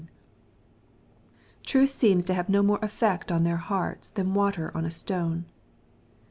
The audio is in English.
Truth seems to have no more effect on their hearts than water on a stone.